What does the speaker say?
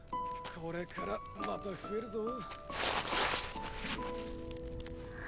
これからまた増えるぞ。